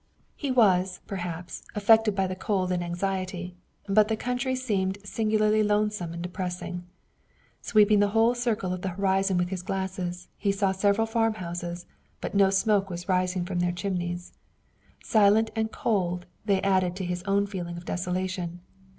He was, perhaps, affected by the cold and anxiety, but the country seemed singularly lonesome and depressing. Sweeping the whole circle of the horizon with his glasses, he saw several farm houses, but no smoke was rising from their chimneys. Silent and cold, they added to his own feeling of desolation.